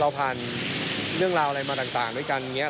เราผ่านเรื่องราวอะไรมาต่างเพราะงั้น